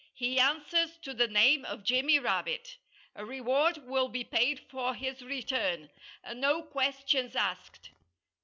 He answers to the name of Jimmy Rabbit. A reward will be paid for his return, and no questions asked.